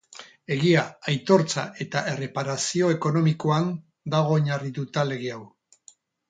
Egia, aitortza eta erreparazio ekonomikoan dago oinarrituta lege hau.